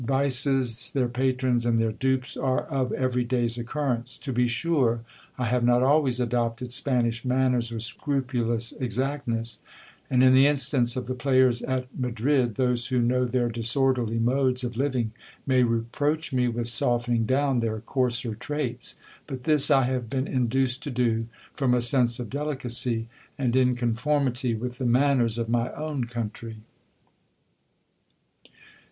Vices, their patrons, and their dupes, are of every day's occurrence. To be sure, I have not always adopted Spanish manners with scrupulous exactness ; and in the instance of the players at Madrid, those who know their disorderly modes of living may reproach me with softening down their coarser traits : but this I have been induced to do from a sense of delicacy, and in conformity with the manners of my own country.